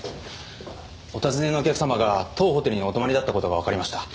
お尋ねのお客様が当ホテルにお泊まりだった事がわかりました。